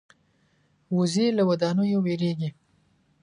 وزې له ودانیو وېرېږي